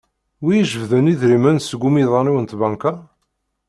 Wi ijebden idrimen seg umiḍan-iw n tbanka?